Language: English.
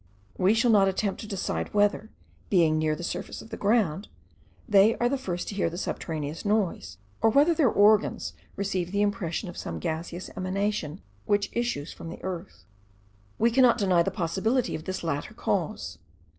We shall not attempt to decide, whether, being nearer the surface of the ground, they are the first to hear the subterraneous noise; or whether their organs receive the impression of some gaseous emanation which issues from the earth. We cannot deny the possibility of this latter cause.